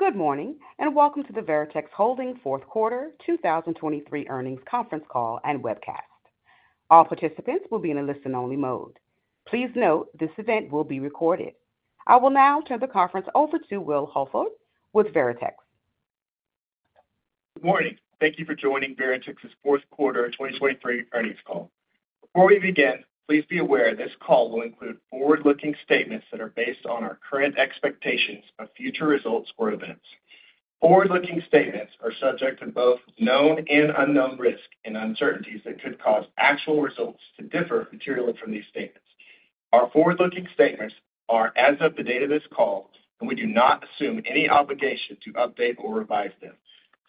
Good morning, and welcome to the Veritex Holdings Fourth Quarter 2023 Earnings Conference Call and Webcast. All participants will be in a listen-only mode. Please note this event will be recorded. I will now turn the conference over to Will Holford with Veritex. Good morning. Thank you for joining Veritex's Fourth Quarter 2023 Earnings Call. Before we begin, please be aware this call will include forward-looking statements that are based on our current expectations of future results or events. Forward-looking statements are subject to both known and unknown risks and uncertainties that could cause actual results to differ materially from these statements. Our forward-looking statements are as of the date of this call, and we do not assume any obligation to update or revise them.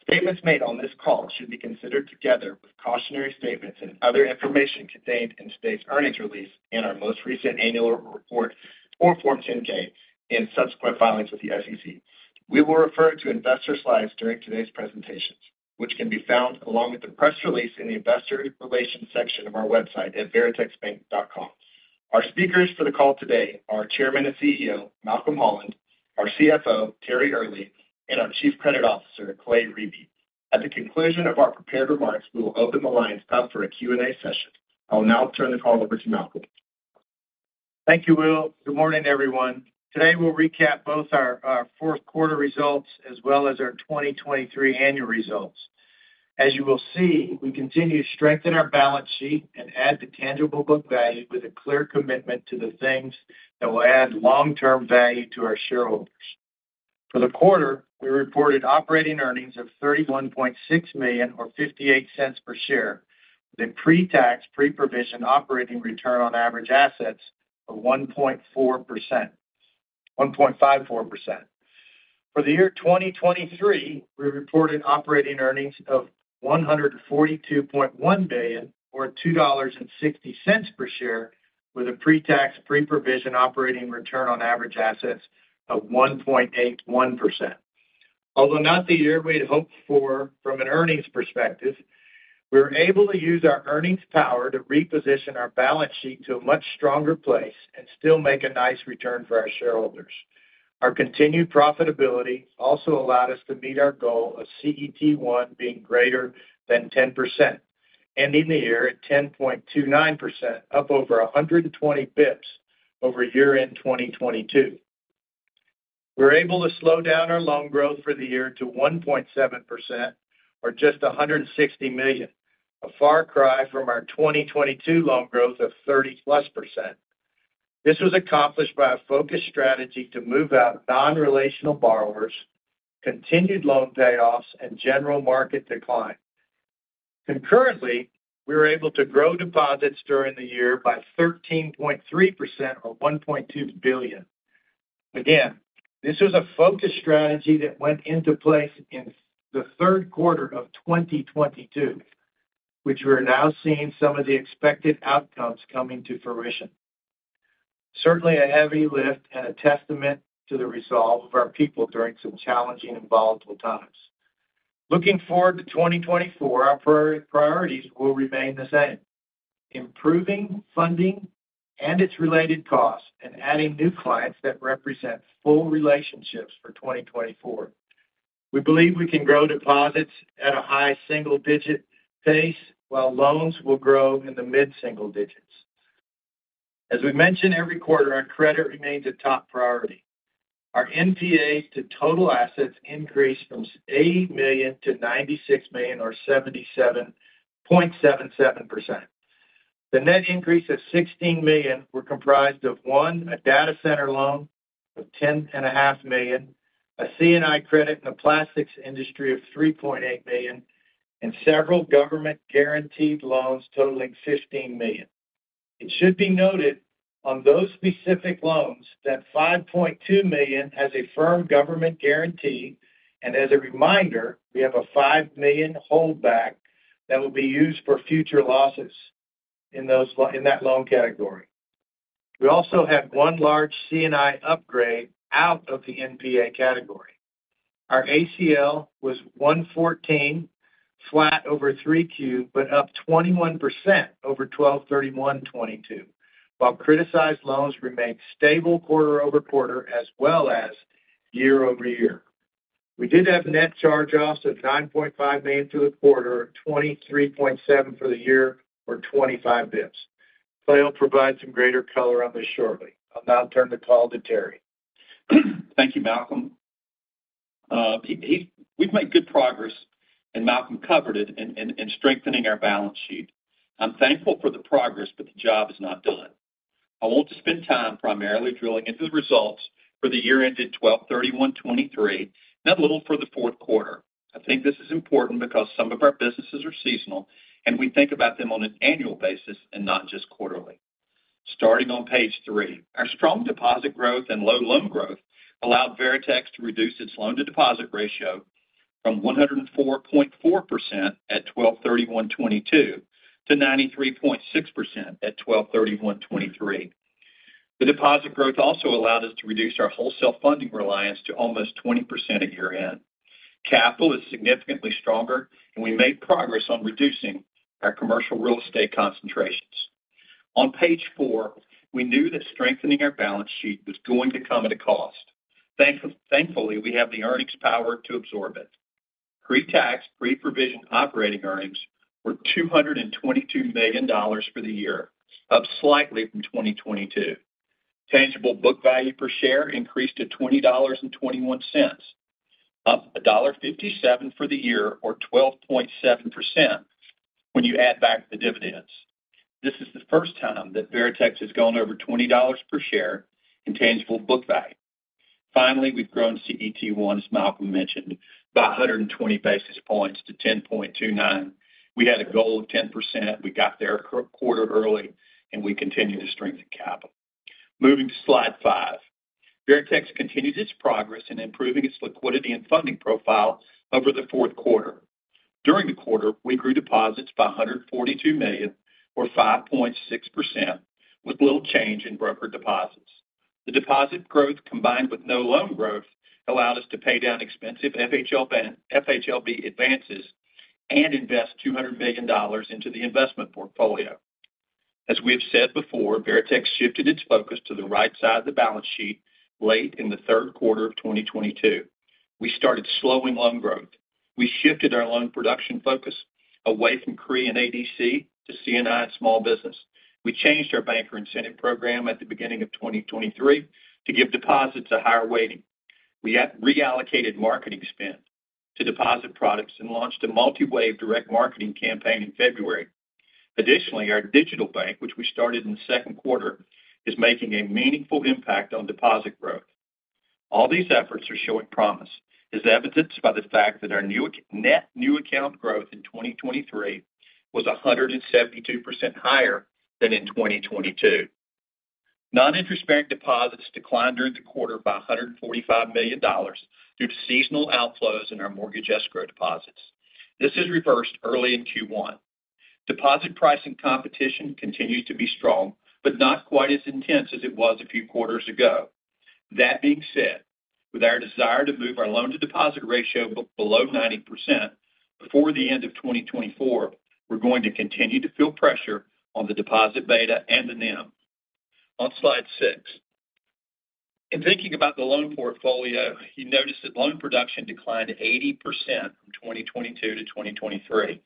Statements made on this call should be considered together with cautionary statements and other information contained in today's earnings release and our most recent annual report, or Form 10-K in subsequent filings with the SEC. We will refer to investor slides during today's presentations, which can be found along with the press release in the Investor Relations section of our website at veritexbank.com. Our speakers for the call today are Chairman and CEO, Malcolm Holland, our CFO, Terry Earley, and our Chief Credit Officer, Clay Riebe. At the conclusion of our prepared remarks, we will open the lines up for a Q&A session. I will now turn the call over to Malcolm. Thank you, Will. Good morning, everyone. Today, we'll recap both our fourth quarter results as well as our 2023 annual results. As you will see, we continue to strengthen our balance sheet and add to tangible book value with a clear commitment to the things that will add long-term value to our shareholders. For the quarter, we reported operating earnings of $31.6 million or $0.58 per share, with a pre-tax, pre-provision operating return on average assets of 1.4%, 1.54%. For the year 2023, we reported operating earnings of $142.1 million, or $2.60 per share, with a pre-tax, pre-provision operating return on average assets of 1.81%. Although not the year we had hoped for from an earnings perspective, we were able to use our earnings power to reposition our balance sheet to a much stronger place and still make a nice return for our shareholders. Our continued profitability also allowed us to meet our goal of CET1 being greater than 10%, ending the year at 10.29%, up over 120 basis points over year-end 2022. We were able to slow down our loan growth for the year to 1.7% or just $160 million, a far cry from our 2022 loan growth of 30%+. This was accomplished by a focused strategy to move out non-relational borrowers, continued loan payoffs, and general market decline. Concurrently, we were able to grow deposits during the year by 13.3% or $1.2 billion. Again, this was a focused strategy that went into place in the third quarter of 2022, which we're now seeing some of the expected outcomes coming to fruition. Certainly, a heavy lift and a testament to the resolve of our people during some challenging and volatile times. Looking forward to 2024, our priorities will remain the same: improving funding and its related costs and adding new clients that represent full relationships for 2024. We believe we can grow deposits at a high single-digit pace, while loans will grow in the mid-single digits. As we mention every quarter, our credit remains a top priority. Our NPA to total assets increased from $80 million to $96 million or 77.77%. The net increase of $16 million were comprised of, one, a data center loan of $10.5 million, a C&I credit in the plastics industry of $3.8 million, and several government-guaranteed loans totaling $15 million. It should be noted on those specific loans that $5.2 million has a firm government guarantee, and as a reminder, we have a $5 million holdback that will be used for future losses in those loans in that loan category. We also have one large C&I upgrade out of the NPA category. Our ACL was $114 flat over 3Q, but up 21% over 12/31/2022, while criticized loans remained stable quarter-over-quarter as well as year-over-year. We did have net charge-offs of $9.5 million through the quarter, $23.7 million for the year, or 25 basis points. Clay will provide some greater color on this shortly. I'll now turn the call to Terry. Thank you, Malcolm. We've made good progress, and Malcolm covered it, in strengthening our balance sheet. I'm thankful for the progress, but the job is not done. I want to spend time primarily drilling into the results for the year ended 12/31/2023, and a little for the fourth quarter. I think this is important because some of our businesses are seasonal, and we think about them on an annual basis and not just quarterly. Starting on page 3, our strong deposit growth and low loan growth allowed Veritex to reduce its loan to deposit ratio from 104.4% at 12/31/2022 to 93.6% at 12/31/2023. The deposit growth also allowed us to reduce our wholesale funding reliance to almost 20% at year-end. Capital is significantly stronger, and we made progress on reducing our commercial real estate concentrations. On page four, we knew that strengthening our balance sheet was going to come at a cost. Thankfully, we have the earnings power to absorb it. Pre-tax, pre-provision operating earnings were $222 million for the year, up slightly from 2022. Tangible book value per share increased to $20.21, up $1.57 for the year or 12.7% when you add back the dividends. This is the first time that Veritex has gone over $20 per share in tangible book value. Finally, we've grown CET1, as Malcolm mentioned, by 120 basis points to 10.29. We had a goal of 10%. We got there a quarter early, and we continue to strengthen capital. Moving to Slide 5. Veritex continues its progress in improving its liquidity and funding profile over the fourth quarter. During the quarter, we grew deposits by $142 million or 5.6%, with little change in broker deposits. The deposit growth, combined with no loan growth, allowed us to pay down expensive FHLB, FHLB advances and invest $200 million into the investment portfolio. As we have said before, Veritex shifted its focus to the right side of the balance sheet late in the third quarter of 2022. We started slowing loan growth. We shifted our loan production focus away from CRE and ADC to C&I and small business. We changed our banker incentive program at the beginning of 2023 to give deposits a higher weighting. We have reallocated marketing spend to deposit products and launched a multi-wave direct marketing campaign in February. Additionally, our digital bank, which we started in the second quarter, is making a meaningful impact on deposit growth. All these efforts are showing promise, as evidenced by the fact that our net new account growth in 2023 was 172% higher than in 2022. Non-interest bearing deposits declined during the quarter by $145 million due to seasonal outflows in our mortgage escrow deposits. This is reversed early in Q1. Deposit pricing competition continues to be strong, but not quite as intense as it was a few quarters ago. That being said, with our desire to move our loan-to-deposit ratio below 90% before the end of 2024, we're going to continue to feel pressure on the deposit beta and the NIM. On Slide 6, in thinking about the loan portfolio, you notice that loan production declined 80% from 2022 to 2023.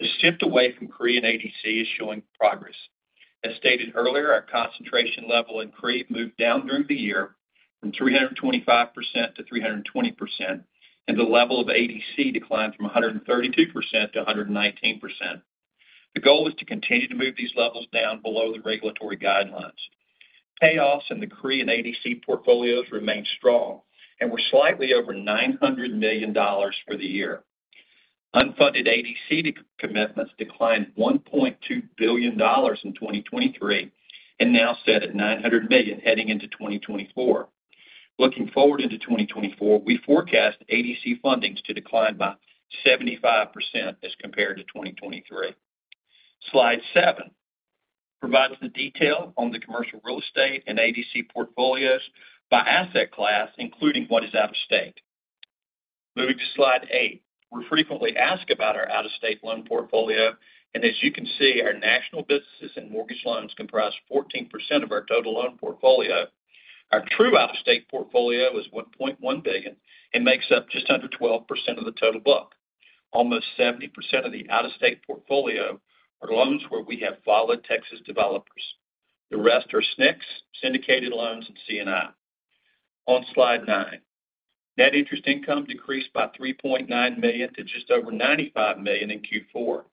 The shift away from CRE and ADC is showing progress. As stated earlier, our concentration level in CRE moved down during the year from 325% to 320%, and the level of ADC declined from 132% to 119%. The goal is to continue to move these levels down below the regulatory guidelines. Payoffs in the CRE and ADC portfolios remained strong and were slightly over $900 million for the year. Unfunded ADC commitments declined $1.2 billion in 2023 and now set at $900 million, heading into 2024. Looking forward into 2024, we forecast ADC fundings to decline by 75% as compared to 2023. Slide 7 provides the detail on the commercial real estate and ADC portfolios by asset class, including what is out-of-state. Moving to Slide 8. We're frequently asked about our out-of-state loan portfolio, and as you can see, our national businesses and mortgage loans comprise 14% of our total loan portfolio. Our true out-of-state portfolio is $1.1 billion and makes up just under 12% of the total book. Almost 70% of the out-of-state portfolio are loans where we have followed Texas developers. The rest are SNCs, syndicated loans, and C&I. On Slide 9, net interest income decreased by $3.9 million to just over $95 million in Q4.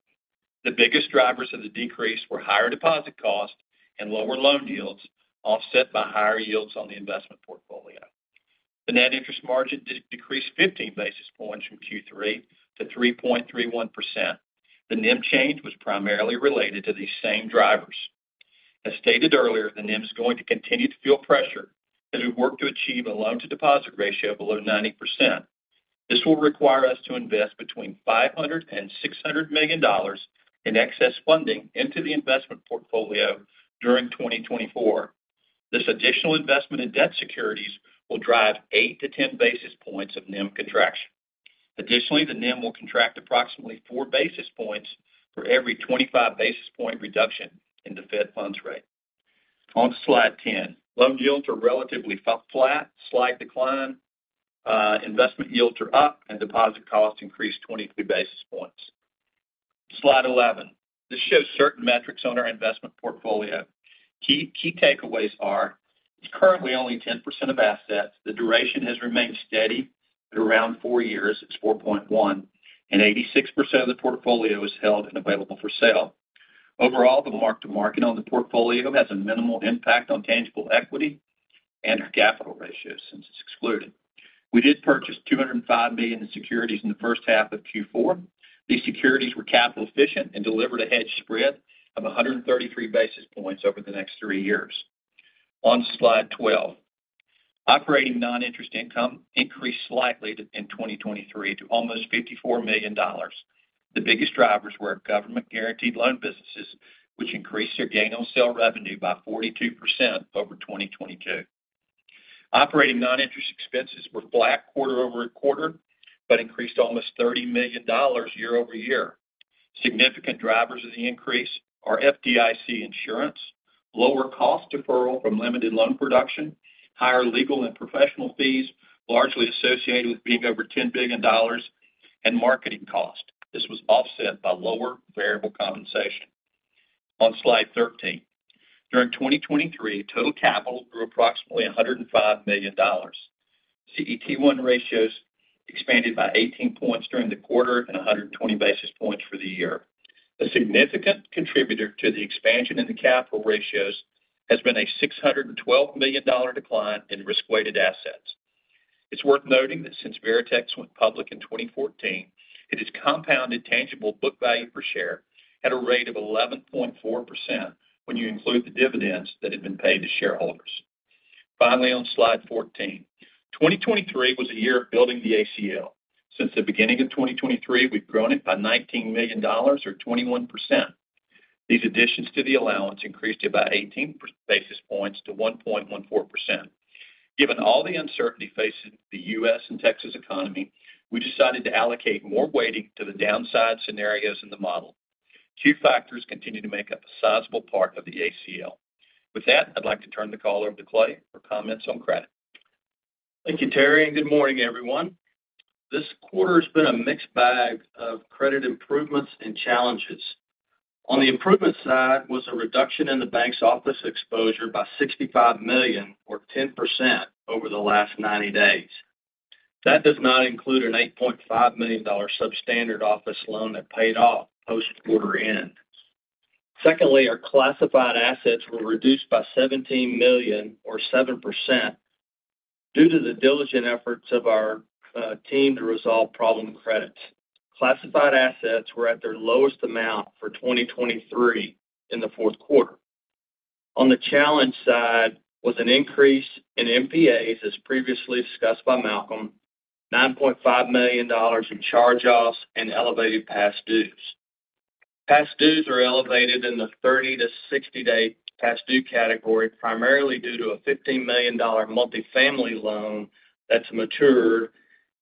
The biggest drivers of the decrease were higher deposit costs and lower loan yields, offset by higher yields on the investment portfolio. The net interest margin did decrease 15 basis points from Q3 to 3.31%. The NIM change was primarily related to these same drivers. As stated earlier, the NIM is going to continue to feel pressure as we work to achieve a loan-to-deposit ratio below 90%. This will require us to invest between $500 million and $600 million in excess funding into the investment portfolio during 2024. This additional investment in debt securities will drive 8-10 basis points of NIM contraction. Additionally, the NIM will contract approximately 4 basis points for every 25 basis point reduction in the Fed funds rate. On slide ten, loan yields are relatively flat, slight decline, investment yields are up, and deposit costs increased 23 basis points. Slide 11. This shows certain metrics on our investment portfolio. Key, key takeaways are: it's currently only 10% of assets. The duration has remained steady at around 4 years, it's 4.1, and 86% of the portfolio is held and available for sale. Overall, the mark-to-market on the portfolio has a minimal impact on tangible equity and our capital ratio, since it's excluded. We did purchase $205 million in securities in the first half of Q4. These securities were capital efficient and delivered a hedge spread of 133 basis points over the next three years. On Slide 12, operating non-interest income increased slightly to—in 2023 to almost $54 million. The biggest drivers were government-guaranteed loan businesses, which increased their gain on sale revenue by 42% over 2022. Operating non-interest expenses were flat quarter-over-quarter, but increased almost $30 million year-over-year. Significant drivers of the increase are FDIC insurance, lower cost deferral from limited loan production, higher legal and professional fees, largely associated with being over $10 billion, and marketing costs. This was offset by lower variable compensation. On Slide 13, during 2023, total capital grew approximately $105 million. CET1 ratios expanded by 18 points during the quarter and 120 basis points for the year. A significant contributor to the expansion in the capital ratios has been a $612 million decline in risk-weighted assets. It's worth noting that since Veritex went public in 2014, it has compounded tangible book value per share at a rate of 11.4% when you include the dividends that have been paid to shareholders. Finally, on Slide 14, 2023 was a year of building the ACL. Since the beginning of 2023, we've grown it by $19 million or 21%. These additions to the allowance increased it by 18 basis points to 1.14%. Given all the uncertainty facing the U.S. and Texas economy, we decided to allocate more weighting to the downside scenarios in the model. Two factors continue to make up a sizable part of the ACL. With that, I'd like to turn the call over to Clay for comments on credit. Thank you, Terry, and good morning, everyone. This quarter has been a mixed bag of credit improvements and challenges. On the improvement side was a reduction in the bank's office exposure by $65 million or 10% over the last 90 days. That does not include an $8.5 million substandard office loan that paid off post-quarter end. Secondly, our classified assets were reduced by $17 million or 7% due to the diligent efforts of our team to resolve problem credits. Classified assets were at their lowest amount for 2023 in the fourth quarter. On the challenge side was an increase in NPAs, as previously discussed by Malcolm, $9.5 million in charge-offs and elevated past dues. Past dues are elevated in the 30- to 60-day past due category, primarily due to a $15 million multifamily loan that's mature,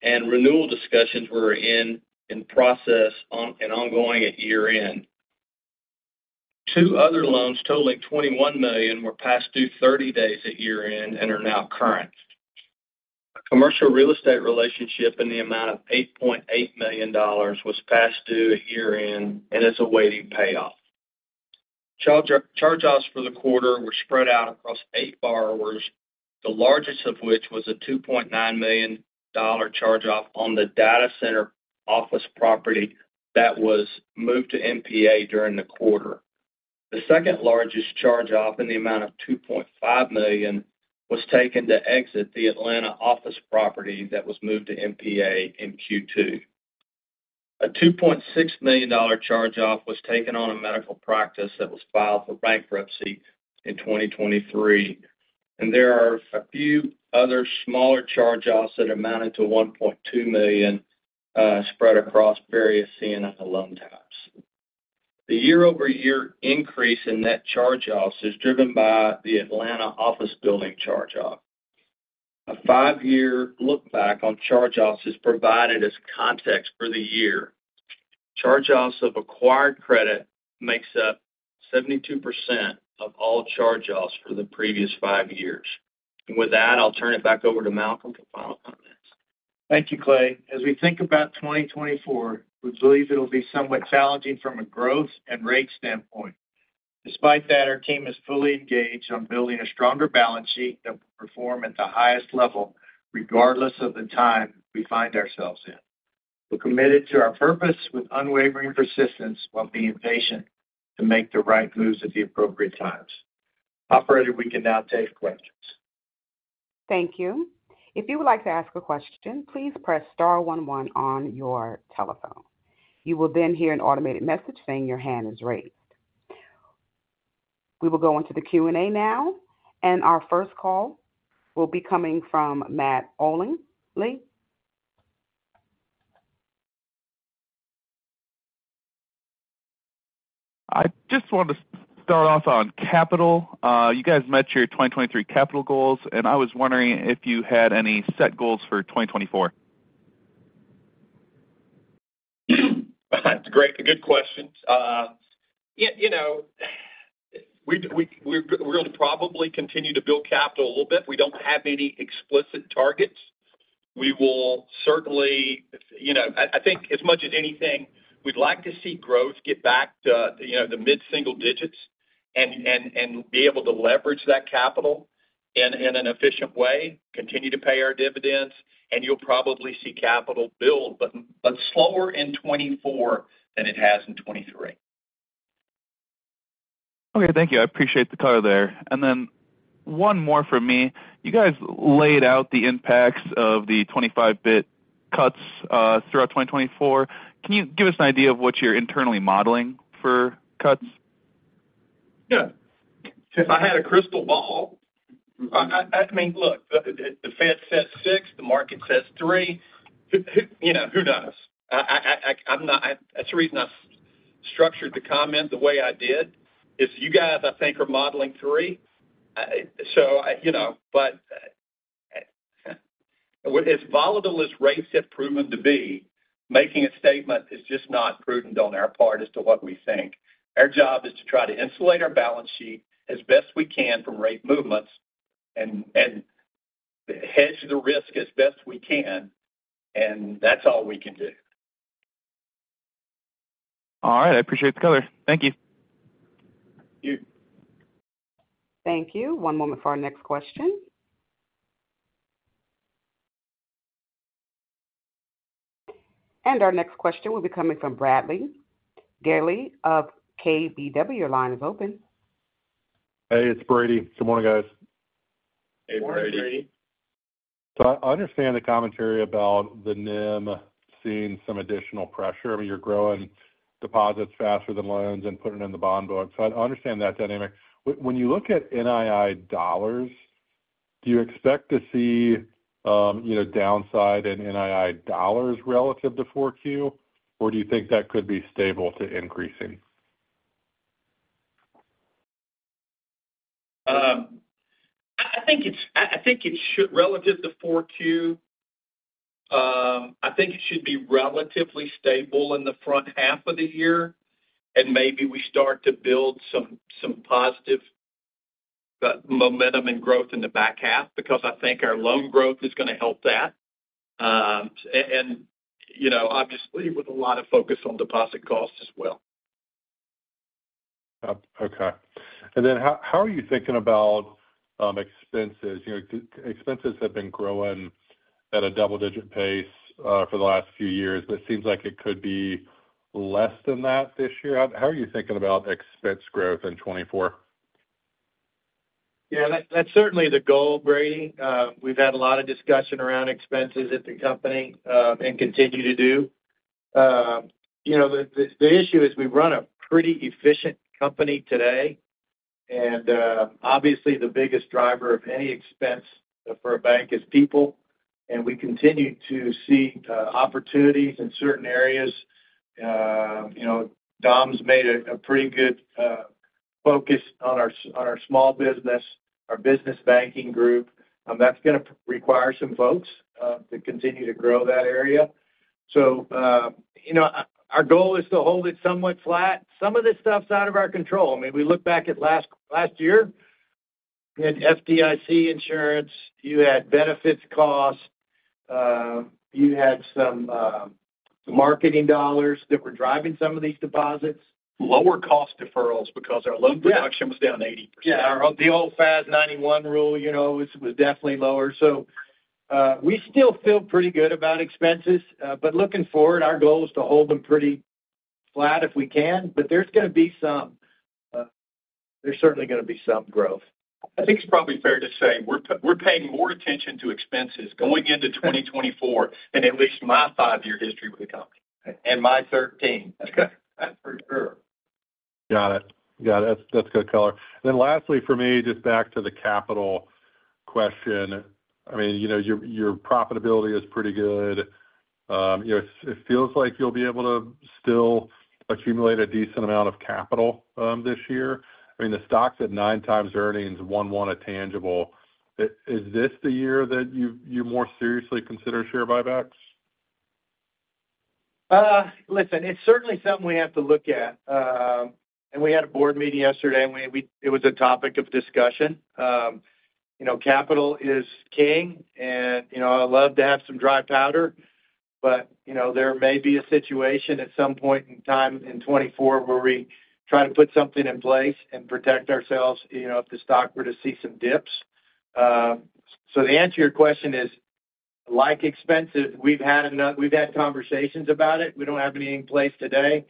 and renewal discussions were in process on and ongoing at year-end. Two other loans totaling $21 million were past due 30 days at year-end and are now current. A commercial real estate relationship in the amount of $8.8 million was past due at year-end, and it's awaiting payoff. Charge-offs for the quarter were spread out across eight borrowers, the largest of which was a $2.9 million charge-off on the data center office property that was moved to NPA during the quarter. The second largest charge-off in the amount of $2.5 million was taken to exit the Atlanta office property that was moved to NPA in Q2. A $2.6 million charge-off was taken on a medical practice that was filed for bankruptcy in 2023, and there are a few other smaller charge-offs that amounted to $1.2 million, spread across various C&I loan types. The year-over-year increase in net charge-offs is driven by the Atlanta office building charge-off. A five-year look back on charge-offs is provided as context for the year. Charge-offs of acquired credit makes up 72% of all charge-offs for the previous five years. With that, I'll turn it back over to Malcolm for final comments. Thank you, Clay. As we think about 2024, we believe it'll be somewhat challenging from a growth and rate standpoint. Despite that, our team is fully engaged on building a stronger balance sheet that will perform at the highest level, regardless of the time we find ourselves in. We're committed to our purpose with unwavering persistence, while being patient to make the right moves at the appropriate times. Operator, we can now take questions. Thank you. If you would like to ask a question, please press star one one on your telephone. You will then hear an automated message saying your hand is raised. We will go into the Q&A now, and our first call will be coming from Matt Olney. I just wanted to start off on capital. You guys met your 2023 capital goals, and I was wondering if you had any set goals for 2024? That's a great, a good question. Yeah, you know, we're going to probably continue to build capital a little bit. We don't have any explicit targets. We will certainly—you know, I think as much as anything, we'd like to see growth get back to, you know, the mid-single digits and be able to leverage that capital in an efficient way, continue to pay our dividends, and you'll probably see capital build, but slower in 2024 than it has in 2023. Okay. Thank you. I appreciate the color there. And then one more from me. You guys laid out the impacts of the 25 basis point cuts throughout 2024. Can you give us an idea of what you're internally modeling for cuts? Yeah. If I had a crystal ball, I mean, look, the Fed says 6, the market says 3. Who, you know, who knows? I'm not—that's the reason I structured the comment the way I did, is you guys, I think, are modeling 3. So, you know, but, as volatile as rates have proven to be, making a statement is just not prudent on our part as to what we think. Our job is to try to insulate our balance sheet as best we can from rate movements and hedge the risk as best we can, and that's all we can do. All right, I appreciate the color. Thank you. Thank you. Thank you. One moment for our next question. Our next question will be coming from Brady Gailey of KBW. Your line is open. Hey, it's Brady. Good morning, guys. Hey, Brady. Good morning, Brady. So I understand the commentary about the NIM seeing some additional pressure. I mean, you're growing deposits faster than loans and putting in the bond book, so I understand that dynamic. When you look at NII dollars, do you expect to see, you know, downside in NII dollars relative to 4Q? Or do you think that could be stable to increasing? I think it should be relatively stable in the front half of the year, relative to 4Q, and maybe we start to build some positive momentum and growth in the back half, because I think our loan growth is going to help that. And, you know, obviously, with a lot of focus on deposit costs as well. Okay. And then how are you thinking about expenses? You know, expenses have been growing at a double-digit pace for the last few years, but it seems like it could be less than that this year. How are you thinking about expense growth in 2024? Yeah, that, that's certainly the goal, Brady. We've had a lot of discussion around expenses at the company, and continue to do. You know, the issue is we run a pretty efficient company today, and obviously, the biggest driver of any expense for a bank is people, and we continue to see opportunities in certain areas. You know, Dom's made a pretty good focus on our small business, our business banking group. That's going to require some folks to continue to grow that area. So, you know, our goal is to hold it somewhat flat. Some of this stuff's out of our control. I mean, we look back at last year, you had FDIC insurance, you had benefits costs, you had some marketing dollars that were driving some of these deposits. Lower cost deferrals because our loan production— Yeah. Was down 80%. Yeah. The old FAS 91 rule, you know, was definitely lower. So, we still feel pretty good about expenses. But looking forward, our goal is to hold them pretty flat if we can, but there's certainly going to be some growth. I think it's probably fair to say, we're paying more attention to expenses going into 2024 than at least my five-year history with the company. And my 13. Okay. That's for sure. Got it. Got it. That's, that's good color. Then lastly, for me, just back to the capital question. I mean, you know, your, your profitability is pretty good. You know, it, it feels like you'll be able to still accumulate a decent amount of capital, this year. I mean, the stock's at 9x earnings, 1x tangible. Is, is this the year that you, you more seriously consider share buybacks? Listen, it's certainly something we have to look at. And we had a board meeting yesterday, and it was a topic of discussion. You know, capital is king, and, you know, I'd love to have some dry powder, but, you know, there may be a situation at some point in time in 2024 where we try to put something in place and protect ourselves, you know, if the stock were to see some dips. So the answer to your question is, like expenses, we've had conversations about it. We don't have anything in place today,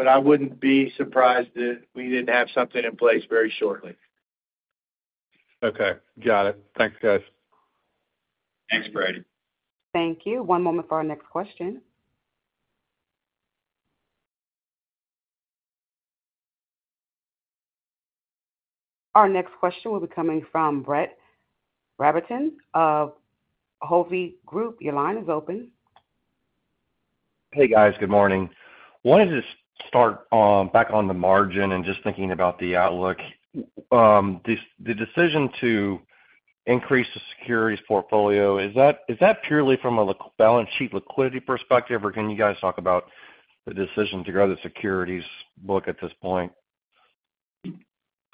but I wouldn't be surprised if we didn't have something in place very shortly. Okay, got it. Thanks, guys. Thanks, Brady. Thank you. One moment for our next question. Our next question will be coming from Brett Rabatin of Hovde Group. Your line is open. Hey, guys. Good morning. Wanted to start back on the margin and just thinking about the outlook. The decision to increase the securities portfolio, is that purely from a balance sheet liquidity perspective, or can you guys talk about the decision to grow the securities book at this point?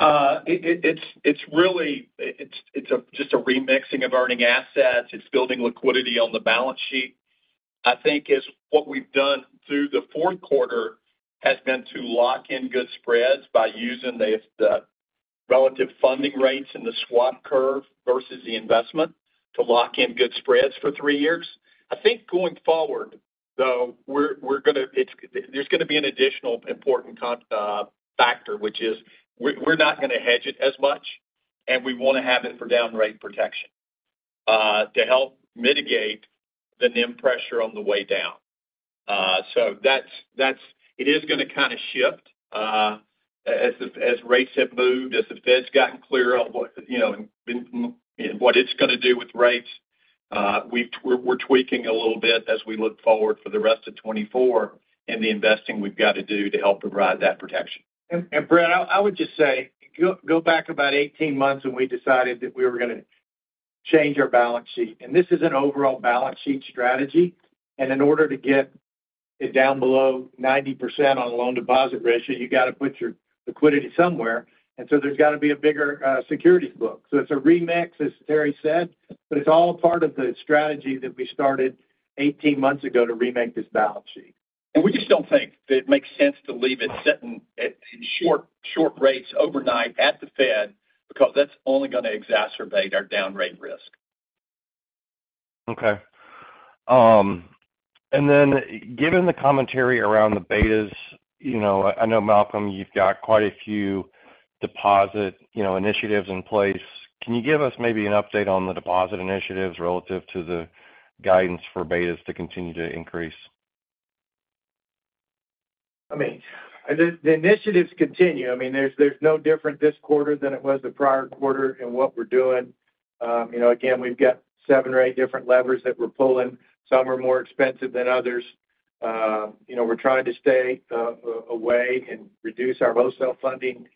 It's really just a remixing of earning assets. It's building liquidity on the balance sheet. I think it's what we've done through the fourth quarter, has been to lock in good spreads by using the relative funding rates in the swap curve versus the investment to lock in good spreads for three years. I think going forward, though, we're gonna—it's—there's going to be an additional important component factor, which is, we're not going to hedge it as much, and we want to have it for down rate protection to help mitigate the NIM pressure on the way down. So that's—it is going to kind of shift as the rates have moved, as the Fed's gotten clearer on what, you know, and what it's going to do with rates. We're tweaking a little bit as we look forward for the rest of 2024 and the investing we've got to do to help provide that protection. Brett, I would just say, go back about 18 months, and we decided that we were gonna change our balance sheet, and this is an overall balance sheet strategy. In order to get it down below 90% on loan deposit ratio, you got to put your liquidity somewhere, and so there's got to be a bigger securities book. So it's a remix, as Terry said, but it's all part of the strategy that we started 18 months ago to remake this balance sheet. We just don't think that it makes sense to leave it sitting at, in short, short rates overnight at the Fed, because that's only going to exacerbate our down rate risk. Okay. And then, given the commentary around the betas, you know, I know, Malcolm, you've got quite a few deposit, you know, initiatives in place. Can you give us maybe an update on the deposit initiatives relative to the guidance for betas to continue to increase? I mean, the initiatives continue. I mean, there's no different this quarter than it was the prior quarter in what we're doing. You know, again, we've got seven or eight different levers that we're pulling. Some are more expensive than others. You know, we're trying to stay away and reduce our wholesale funding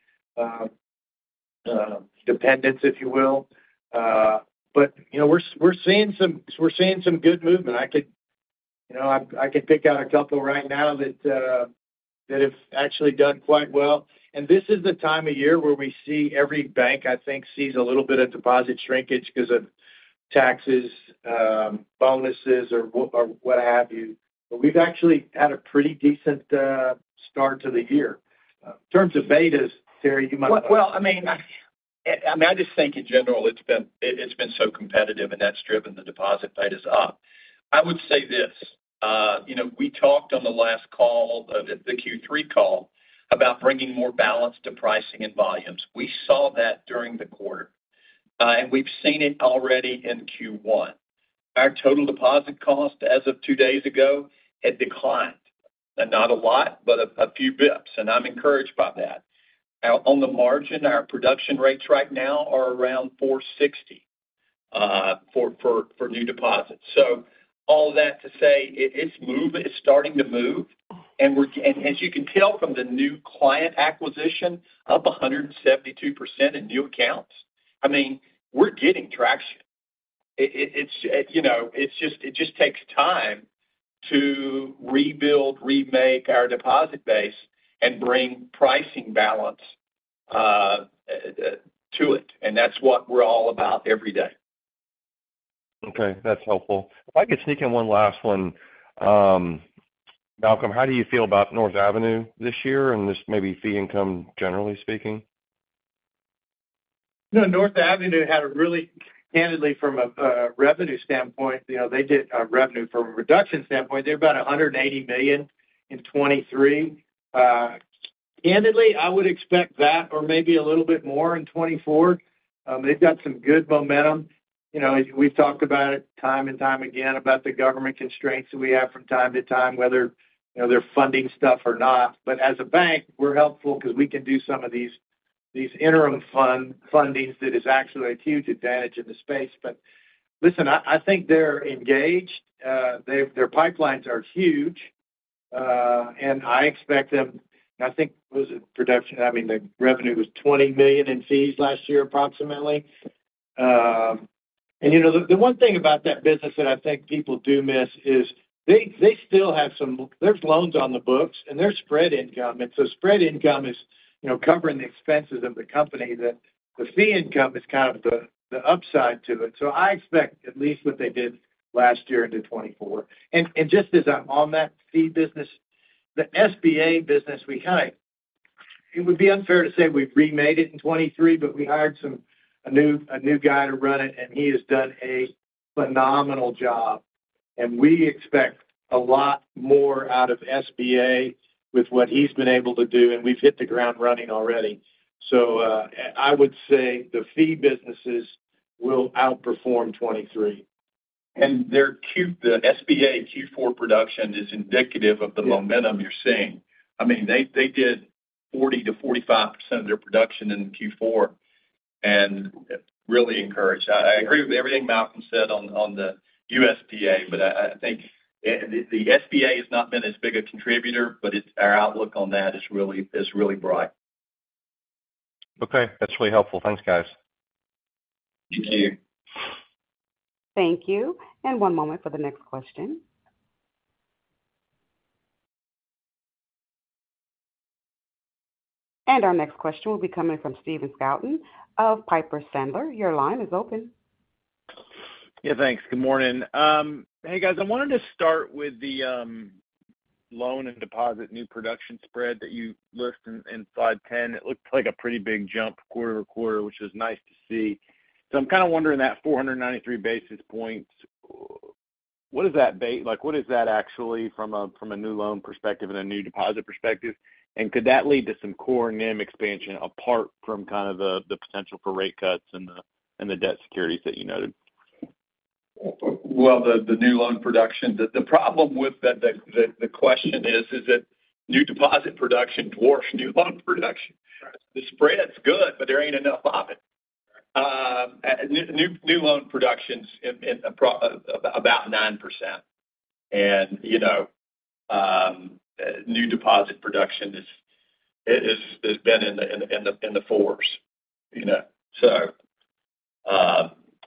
dependence, if you will. But, you know, we're seeing some good movement. I could, you know, I could pick out a couple right now that have actually done quite well. And this is the time of year where we see every bank, I think, sees a little bit of deposit shrinkage because of taxes, bonuses, or what have you. But we've actually had a pretty decent start to the year. In terms of betas, Terry, you might- Well, well, I mean, I mean, I just think in general, it's been so competitive, and that's driven the deposit betas up. I would say this, you know, we talked on the last call, the Q3 call, about bringing more balance to pricing and volumes. We saw that during the quarter, and we've seen it already in Q1. Our total deposit cost, as of two days ago, had declined, and not a lot, but a few bps, and I'm encouraged by that. Now, on the margin, our production rates right now are around 4.60, for new deposits. So all that to say, it's moving, it's starting to move, and we're, and as you can tell from the new client acquisition, up 172% in new accounts, I mean, we're getting traction. It's, you know, it's just takes time to rebuild, remake our deposit base and bring pricing balance to it, and that's what we're all about every day. Okay, that's helpful. If I could sneak in one last one. Malcolm, how do you feel about North Avenue this year and just maybe fee income, generally speaking? You know, North Avenue had a really, candidly, from a revenue standpoint, you know, they did a revenue from a reduction standpoint. They're about $180 million in 2023. Candidly, I would expect that or maybe a little bit more in 2024. They've got some good momentum. You know, we've talked about it time and time again, about the government constraints that we have from time to time, whether, you know, they're funding stuff or not. But as a bank, we're helpful because we can do some of these interim fundings. That is actually a huge advantage in the space. But listen, I think they're engaged. They've—their pipelines are huge, and I expect them, I think, was it production? I mean, the revenue was $20 million in fees last year, approximately. You know, the one thing about that business that I think people do miss is they still have some, there's loans on the books, and there's spread income. And so spread income is, you know, covering the expenses of the company, that the fee income is kind of the upside to it. So I expect at least what they did last year into 2024. And just as I'm on that fee business, the SBA business we have, it would be unfair to say we've remade it in 2023, but we hired a new guy to run it, and he has done a phenomenal job. And we expect a lot more out of SBA with what he's been able to do, and we've hit the ground running already. So, I would say the fee businesses will outperform 2023. There, the SBA Q4 production is indicative of the momentum you're seeing. I mean, they, they did 40%-45% of their production in Q4, and really encouraged. I, I agree with everything Malcolm said on, on the USDA, but I, I think the, the SBA has not been as big a contributor, but it's, our outlook on that is really, is really bright. Okay, that's really helpful. Thanks, guys. Thank you. Thank you. And one moment for the next question. And our next question will be coming from Stephen Scouten of Piper Sandler. Your line is open. Yeah, thanks. Good morning. Hey, guys, I wanted to start with the loan and deposit new production spread that you listed in Slide 10. It looked like a pretty big jump quarter-over-quarter, which is nice to see. So I'm kind of wondering, that 493 basis points, what is that like, what is that actually from a new loan perspective and a new deposit perspective? And could that lead to some core NIM expansion apart from kind of the potential for rate cuts and the debt securities that you noted? Well, the new loan production, the problem with that, the question is that new deposit production dwarfs new loan production. The spread's good, but there ain't enough of it. New loan production's in about 9%. And, you know, new deposit production is. It has been in the fours, you know? So,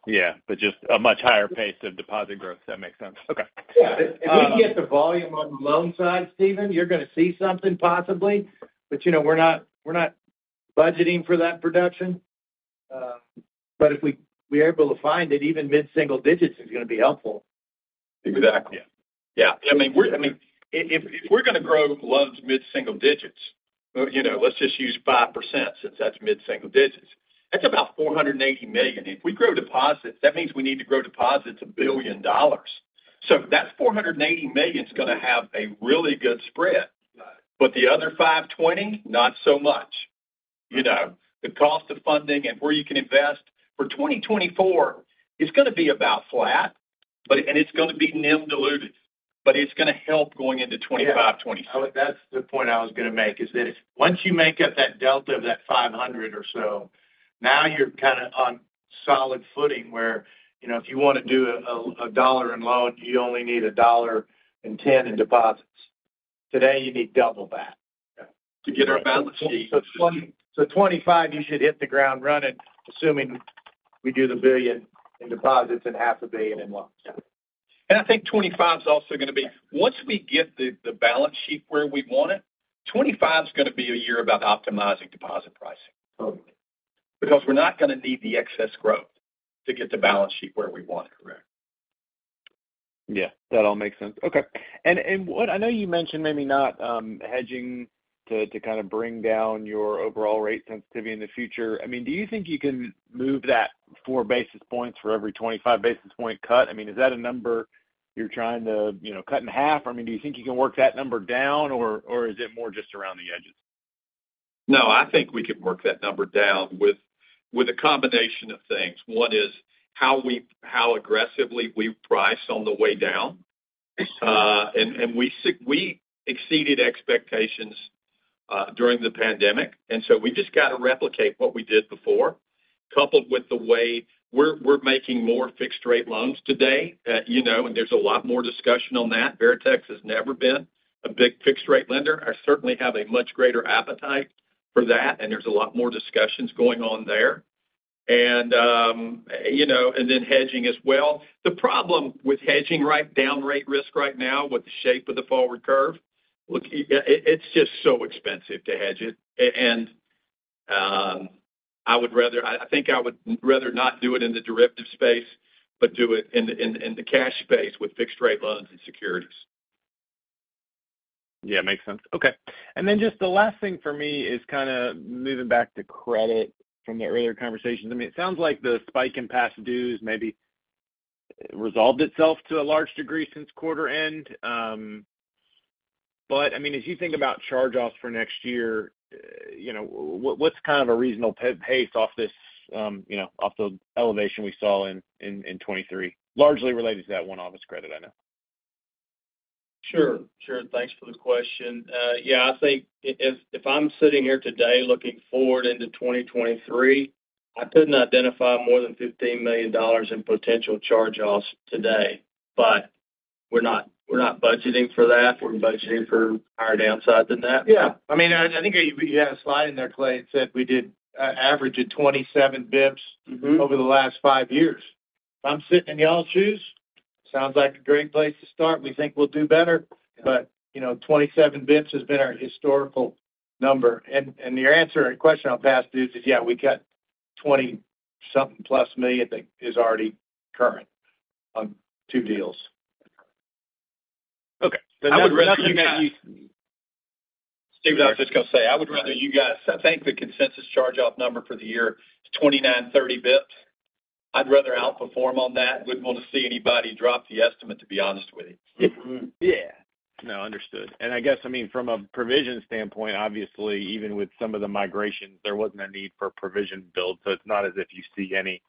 Yeah, but just a much higher pace of deposit growth. That makes sense. Okay. Yeah. If we get the volume on the loan side, Steven, you're going to see something possibly, but, you know, we're not, we're not budgeting for that production. But if we're able to find it, even mid-single digits is going to be helpful. Exactly. Yeah. I mean, we're—I mean, if we're going to grow loans mid-single digits, you know, let's just use 5%, since that's mid-single digits. That's about $480 million. If we grow deposits, that means we need to grow deposits $1 billion. So that's $480 million is going to have a really good spread. Right. But the other 520, not so much. You know, the cost of funding and where you can invest for 2024 is going to be about flat, but, and it's going to be NIM diluted, but it's going to help going into 2025, 2026. That's the point I was going to make, is that once you make up that delta of that 500 or so, now you're kind of on solid footing where, you know, if you want to do a dollar in loan, you only need $1.10 in deposits. Today, you need double that. To get our balance sheet. So 2025, you should hit the ground running, assuming we do $1 billion in deposits and $500 million in loans. I think 25 is also going to be once we get the balance sheet where we want it, 25 is going to be a year about optimizing deposit pricing. Totally. Because we're not going to need the excess growth to get the balance sheet where we want it. Correct. Yeah, that all makes sense. Okay. And what, I know you mentioned maybe not hedging to kind of bring down your overall rate sensitivity in the future. I mean, do you think you can move that 4 basis points for every 25 basis point cut? I mean, is that a number you're trying to, you know, cut in half? I mean, do you think you can work that number down, or is it more just around the edges? No, I think we can work that number down with a combination of things. One is how aggressively we price on the way down. And we exceeded expectations during the pandemic, and so we just got to replicate what we did before, coupled with the way we're making more fixed rate loans today. You know, and there's a lot more discussion on that. Veritex has never been a big fixed rate lender. I certainly have a much greater appetite for that, and there's a lot more discussions going on there. And, you know, and then hedging as well. The problem with hedging down rate risk right now, with the shape of the forward curve, it's just so expensive to hedge it. I think I would rather not do it in the derivative space, but do it in the cash space with fixed rate loans and securities. Yeah, makes sense. Okay. And then just the last thing for me is kind of moving back to credit from that earlier conversation. I mean, it sounds like the spike in past dues maybe resolved itself to a large degree since quarter end. But I mean, as you think about charge-offs for next year, you know, what, what's kind of a reasonable pace off this, you know, off the elevation we saw in 2023, largely related to that one office credit, I know. Sure. Sure. Thanks for the question. Yeah, I think if, if I'm sitting here today, looking forward into 2023, I couldn't identify more than $15 million in potential charge-offs today. But we're not, we're not budgeting for that. We're budgeting for higher downside than that. Yeah. I mean, I think you had a slide in there, Clay. It said we did an average of 27 bps over the last five years. I'm sitting in y'all's shoes, sounds like a great place to start. We think we'll do better, but, you know, 27 basis points has been our historical number. And your answer and question on past dues is, yeah, we got $20-something plus million, I think, is already current on 2 deals. Okay. I would rather you guys—Stephen, I was just going to say, I would rather you guys- I think the consensus charge-off number for the year is 29-30 bps. I'd rather outperform on that. Wouldn't want to see anybody drop the estimate, to be honest with you. Yeah. No, understood. And I guess, I mean, from a provision standpoint, obviously, even with some of the migrations, there wasn't a need for a provision build, so it's not as if you see any,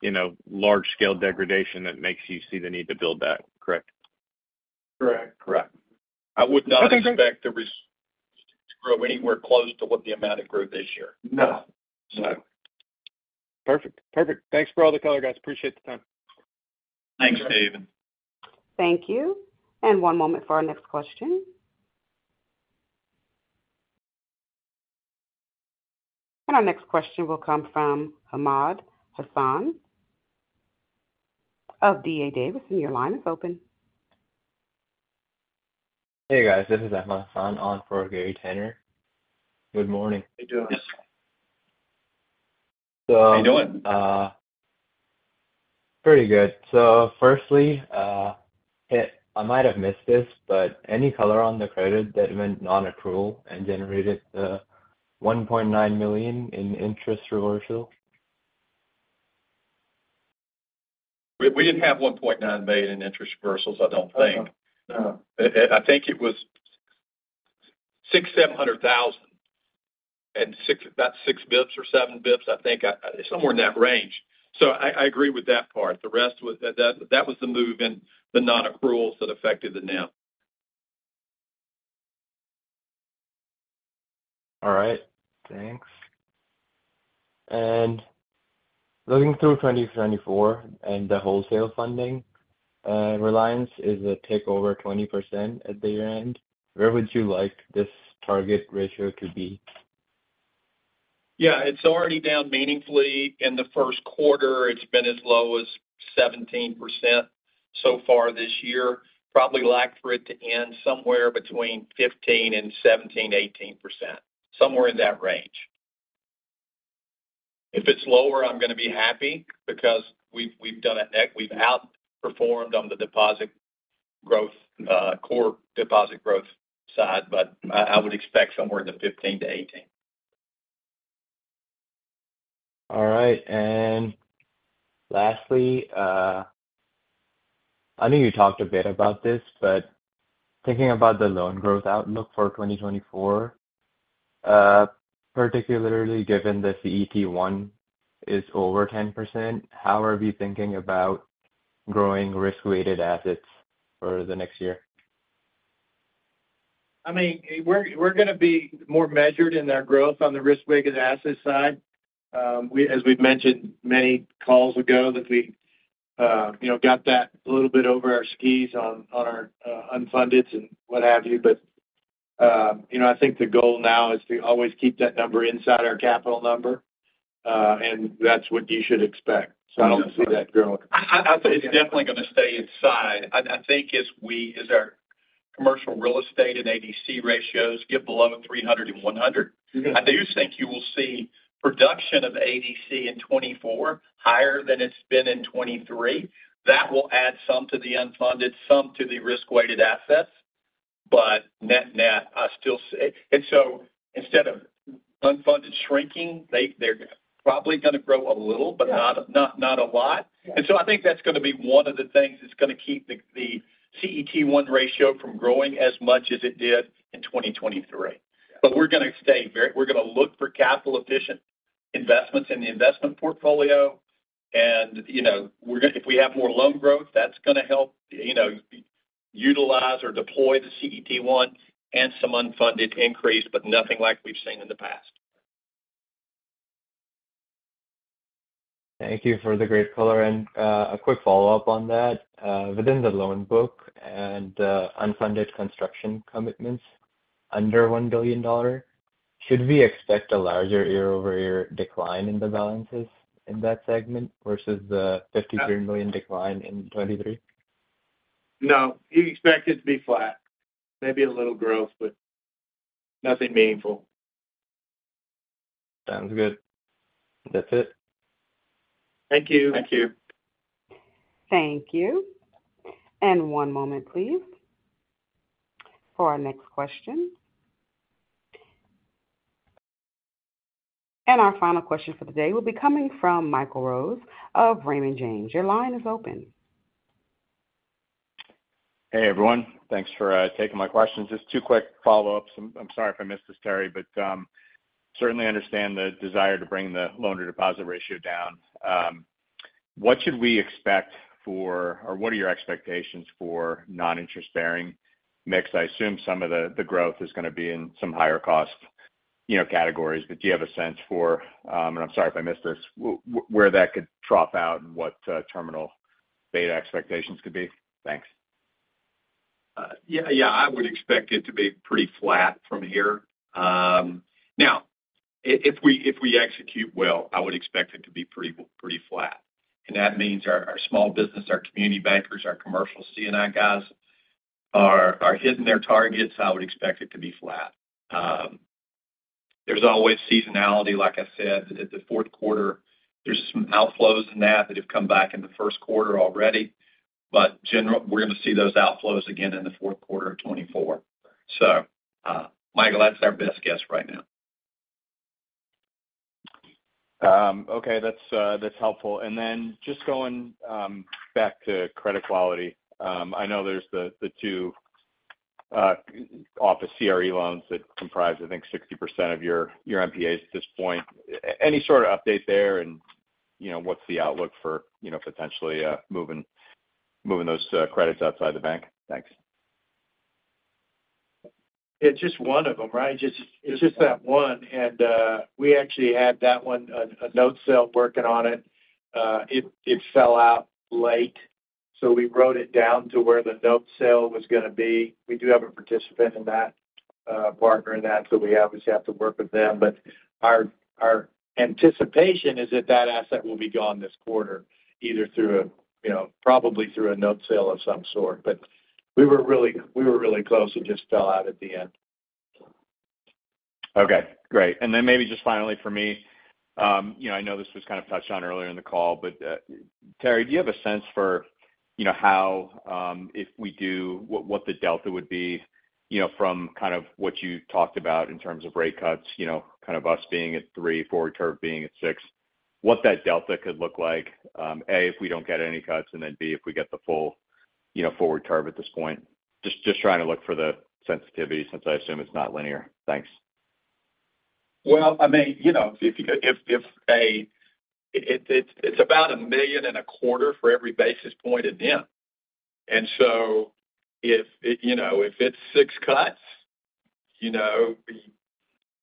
you know, large-scale degradation that makes you see the need to build that. Correct? Correct. Correct. I would not expect the reserves to grow anywhere close to the amount of growth this year. No. So— Perfect. Perfect. Thanks for all the color, guys. Appreciate the time. Thanks, Stephen. Thank you. One moment for our next question. Our next question will come from Ahmad Hasan of D.A. Davidson. Your line is open. Hey, guys, this is Ahmad Hasan on for Gary Tenner. Good morning. How you doing? So— How you doing? Pretty good. So firstly, I might have missed this, but any color on the credit that went nonaccrual and generated the $1.9 million in interest reversal? We didn't have $1.9 million in interest reversals, I don't think. Okay. I think it was $600,000-$700,000, and about 6 basis points or 7 basis points, I think. Somewhere in that range. So I agree with that part. The rest was that, that was the move in the non-accruals that affected the NIM. All right, thanks. And looking through 2024 and the wholesale funding reliance is a tick over 20% at the year-end. Where would you like this target ratio to be? Yeah, it's already down meaningfully. In the first quarter, it's been as low as 17% so far this year. Probably like for it to end somewhere between 15 and 17-18%, somewhere in that range. If it's lower, I'm going to be happy because we've outperformed on the deposit growth, core deposit growth side, but I would expect somewhere in the 15%-18%. All right. And lastly, I know you talked a bit about this, but thinking about the loan growth outlook for 2024, particularly given the CET1 is over 10%, how are we thinking about growing risk-weighted assets for the next year? I mean, we're going to be more measured in our growth on the risk-weighted asset side. As we've mentioned many calls ago, that we, you know, got that a little bit over our skis on our unfundeds and what have you. But, you know, I think the goal now is to always keep that number inside our capital number, and that's what you should expect. So I don't see that growing. I think it's definitely going to stay inside. I think as we, as our commercial real estate and ADC ratios get below 300 and 100, I do think you will see production of ADC in 2024 higher than it's been in 2023. That will add some to the unfunded, some to the risk-weighted assets. But net-net, I still say—and so instead of unfunded shrinking, they, they're probably going to grow a little, but not, not, not a lot. So I think that's going to be one of the things that's going to keep the, the CET1 ratio from growing as much as it did in 2023. But we're going to stay very—we're going to look for capital-efficient investments in the investment portfolio. And, you know, we're gonna—if we have more loan growth, that's going to help, you know, utilize or deploy the CET1 and some unfunded increase, but nothing like we've seen in the past. Thank you for the great color. A quick follow-up on that. Within the loan book and unfunded construction commitments under $1 billion, should we expect a larger year-over-year decline in the balances in that segment versus the $53 million decline in 2023? No, you expect it to be flat. Maybe a little growth, but nothing meaningful. Sounds good. That's it. Thank you. Thank you. Thank you. One moment, please, for our next question. Our final question for the day will be coming from Michael Rose of Raymond James. Your line is open. Hey, everyone. Thanks for taking my questions. Just two quick follow-ups. I'm sorry if I missed this, Terry, but certainly understand the desire to bring the loan-to-deposit ratio down. What should we expect for—or what are your expectations for non-interest-bearing mix? I assume some of the growth is going to be in some higher cost, you know, categories, but do you have a sense for, and I'm sorry if I missed this, where that could drop out and what terminal beta expectations could be? Thanks. Yeah. Yeah, I would expect it to be pretty flat from here. Now, if we execute well, I would expect it to be pretty, pretty flat. And that means our small business, our community bankers, our commercial C&I guys are hitting their targets. I would expect it to be flat. There's always seasonality, like I said, at the fourth quarter. There's some outflows in that have come back in the first quarter already, but generally, we're going to see those outflows again in the fourth quarter of 2024. So, Michael, that's our best guess right now. Okay, that's helpful. And then just going back to credit quality. I know there's the two office CRE loans that comprise, I think, 60% of your MPAs at this point. Any sort of update there, and you know, what's the outlook for, you know, potentially moving those credits outside the bank? Thanks. It's just one of them, right? Just, it's just that one, and we actually had that one, a note sale working on it. It fell out late, so we wrote it down to where the note sale was going to be. We do have a participant in that, partner in that, so we obviously have to work with them. But our anticipation is that that asset will be gone this quarter, either through a, you know, probably through a note sale of some sort. But we were really close. It just fell out at the end. Okay, great. Then maybe just finally for me, you know, I know this was kind of touched on earlier in the call, but, Terry, do you have a sense for, you know, how, if we do, what, what the delta would be, you know, from kind of what you talked about in terms of rate cuts, you know, kind of us being at 3, forward curve being at 6. What that delta could look like, A, if we don't get any cuts, and then B, if we get the full, you know, forward curve at this point? Just trying to look for the sensitivity, since I assume it's not linear. Thanks. Well, I mean, you know, if. It's about $1.25 million for every basis point in NIM. And so if, you know, if it's six cuts, you know,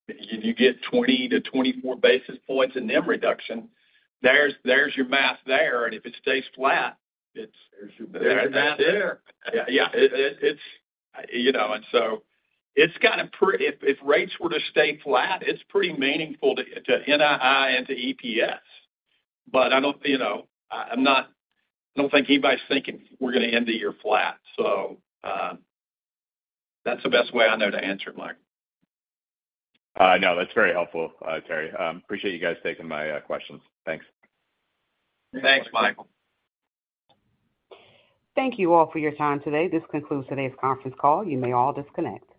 you get 20-24 basis points in NIM reduction, there's your math there, and if it stays flat, it's- There's your math there. Yeah. It's, you know, and so it's kind of. If rates were to stay flat, it's pretty meaningful to NII and to EPS. But I don't, you know, I'm not. I don't think anybody's thinking we're going to end the year flat. So, that's the best way I know to answer it, Michael. No, that's very helpful, Terry. Appreciate you guys taking my questions. Thanks. Thanks, Michael. Thank you all for your time today. This concludes today's conference call. You may all disconnect.